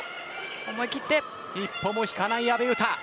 一歩も引かない阿部詩。